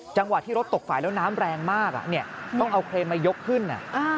จังหวะที่รถตกฝ่ายแล้วน้ำแรงมากต้องเอาเครนมายกขึ้น